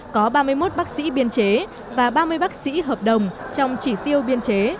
có ba mươi một bác sĩ biên chế và ba mươi bác sĩ hợp đồng trong chỉ tiêu biên chế